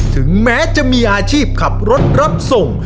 ถึงแม้จะมีอาชีพขับรถรับส่ง